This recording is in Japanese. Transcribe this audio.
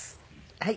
はい。